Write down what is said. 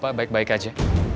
bapak baik baik aja